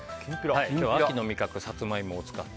秋の味覚、サツマイモを使って